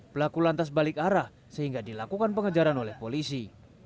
pelaku lantas balik arah sehingga dilakukan pengejaran oleh polisi